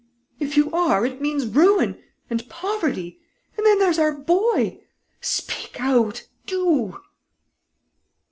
If you are, it means ruin ... and poverty.... And then there's our boy!... Speak out, do!"